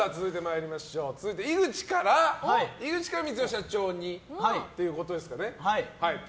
続いて、井口から光代社長にということですかね。